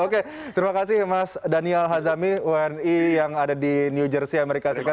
oke terima kasih mas daniel hazami wni yang ada di new jersey amerika serikat